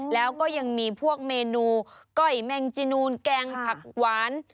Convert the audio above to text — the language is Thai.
แล้วก็ยังมีพวกเมนูก้อยแมงจีนูนแกงผักหวาน